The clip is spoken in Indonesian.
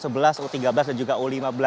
u tiga belas dan juga u lima belas